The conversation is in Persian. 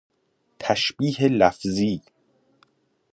تشبیه لفظی